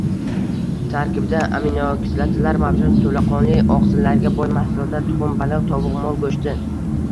Tarkibida aminokislotalar mavjud to‘laqonli oqsillarga boy mahsulotlar: tuxum, baliq, tovuq, mol go‘shti.